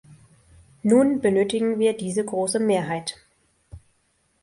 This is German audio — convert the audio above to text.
Nun benötigen wir diese große Mehrheit.